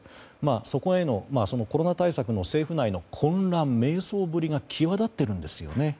そこへのコロナ対策の政府内の混乱と迷走ぶりが際立っているんですよね。